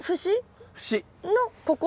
節のここ？